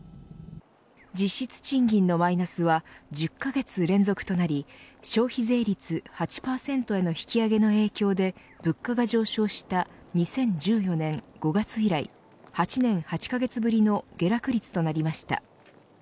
実質賃金のマイナスは１０カ月連続となり消費税率８％への引き上げの影響で物価が上昇した２０１４年５月以来８年８カ月ぶりの下落率となりました。